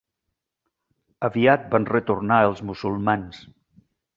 Aviat van retornar els musulmans.